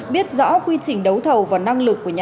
biết rõ quy trình đấu thầu và năng lực của nhà